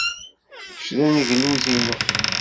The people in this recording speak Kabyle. Kečč d aneglus-inu.